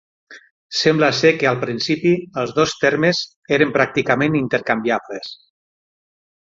Sembla ser que al principi, els dos termes eren pràcticament intercanviables.